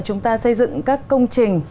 chúng ta xây dựng các công trình